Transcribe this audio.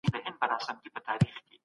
هغې د سیاسي علومو برخه هم لوستې ده.